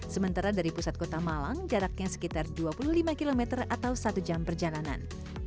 sementara dari pusat kota malang jaraknya sekitar dua puluh lima km atau satu jam perjalanan